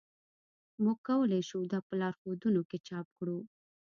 موږ کولی شو دا په لارښودونو کې چاپ کړو